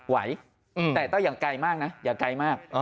ไหวแต่ต้องอย่างไกลมากนะอย่าไกลมาก